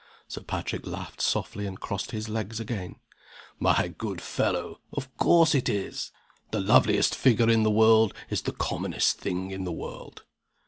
Sir Patrick laughed softly, and crossed his legs again. "My good fellow, of course it is! The loveliest figure in the world is the commonest thing in the world.